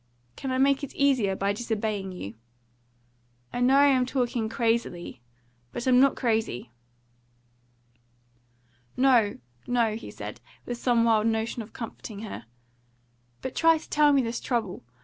"Can I make it easier by disobeying you?" "I know I am talking crazily. But I'm not crazy." "No, no," he said, with some wild notion of comforting her; "but try to tell me this trouble!